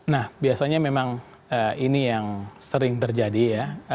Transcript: nah biasanya memang ini yang sering terjadi ya